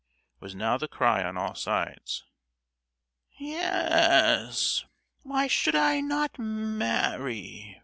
was now the cry on all sides. "Ye—yes. Why should I not ma—arry!"